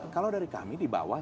kalau dari kami di bawah